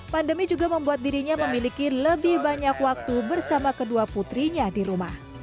pandemi juga membuat dirinya memiliki lebih banyak waktu bersama kedua putrinya di rumah